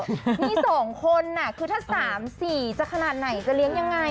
มีสองคนน่ะคือถ้าสามสี่จะขนาดไหนจะเลี้ยงอย่างไร